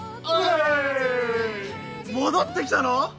戻ってきたの？